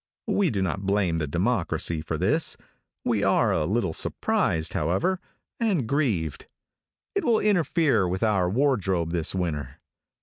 We do not blame the Democracy for this. We are a little surprised, however, and grieved. It will interfere with our wardrobe this winter.